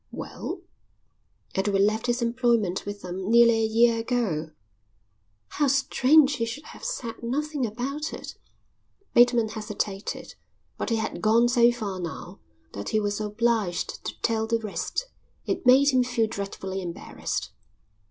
"Well?" "Edward left his employment with them nearly a year ago." "How strange he should have said nothing about it!" Bateman hesitated, but he had gone so far now that he was obliged to tell the rest. It made him feel dreadfully embarrassed.